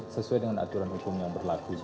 sesuai dengan aturan hukum yang berlaku